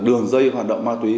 đường dây hoạt động ma túy